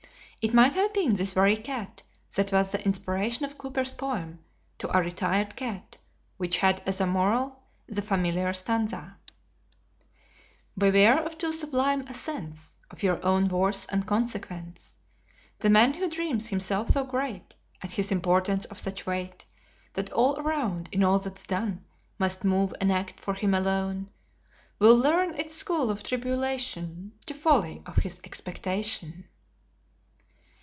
It might have been this very cat that was the inspiration of Cowper's poem, "To a Retired Cat," which had as a moral the familiar stanza: "Beware of too sublime a sense Of your own worth and consequence: The man who dreams himself so great And his importance of such weight, That all around, in all that's done, Must move and act for him alone, Will learn in school of tribulation The folly of his expectation."